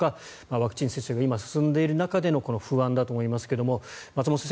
ワクチン接種が今、進んでいる中での不安だと思いますが松本先生